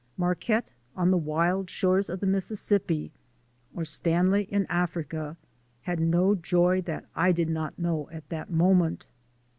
Marquette on the wild shores of the Mississippi, or Stanley in Africa, had no joy that I did not know at that moment.